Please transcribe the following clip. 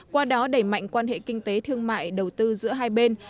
qua đó đẩy mạnh quan hệ kinh tế thương mại đầu tư giữa hai bên